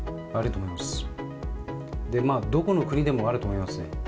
どこの国でもあると思いますね。